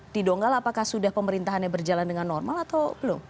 di donggala apakah sudah pemerintahannya berjalan dengan normal atau belum